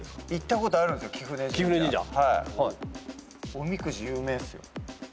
おみくじ有名っすよ。